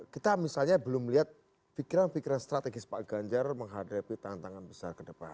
kita misalnya belum melihat pikiran pikiran strategis pak ganjar menghadapi tantangan besar ke depan